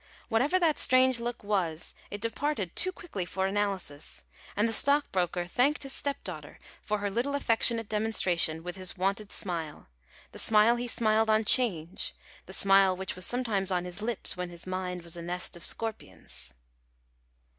Whatever that strange look was, it departed too quickly for analysis; and the stockbroker thanked his stepdaughter for her little affectionate demonstration with his wonted smile the smile he smiled on Change, the smile which was sometimes on his lips when his mind was a nest of scorpions.